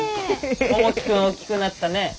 百喜君大きくなったね！